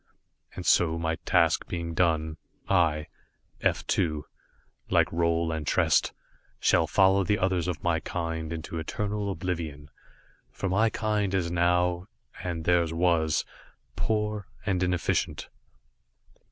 And so my task being done, I, F 2, like Roal and Trest, shall follow the others of my kind into eternal oblivion, for my kind is now, and theirs was, poor and inefficient.